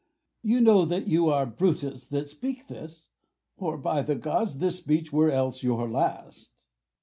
You know that you are Brutus that speak this, Or, by the gods, this speech were else your last.